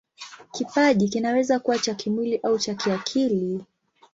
Kipaji kinaweza kuwa cha kimwili au cha kiakili.